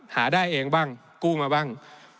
หาได้เองบ้าง